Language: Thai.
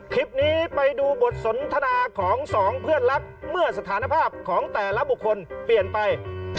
คลิปนี้ไปดูบทสนทนาของสองเพื่อนรักเมื่อสถานภาพของแต่ละบุคคลเปลี่ยนไป